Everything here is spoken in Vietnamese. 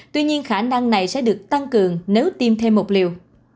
tuy nhiên khả năng này sẽ được tăng cường nếu tiêm thêm một liều